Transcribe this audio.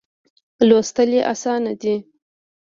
لوستل یې آسانه دي.